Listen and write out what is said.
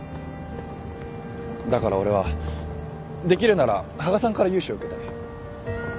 だから俺はできるなら羽賀さんから融資を受けたい。